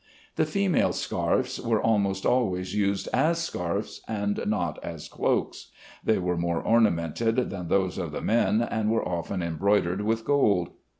The female scarfs were almost always used as scarfs and not as cloaks. They were more ornamented than those of the men, and were often embroidered with gold.